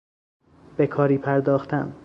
به کاری پرداختن